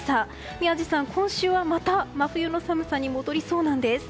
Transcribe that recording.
宮司さん、今週はまた真冬の寒さに戻りそうなんです。